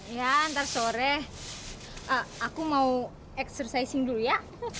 nanti sore aku mau exercising dulu ya